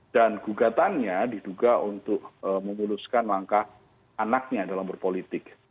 dan gugatannya diduga untuk memuluskan langkah anaknya dalam berpolitik